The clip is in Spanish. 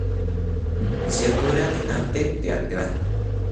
Licenciatura en Arte teatral.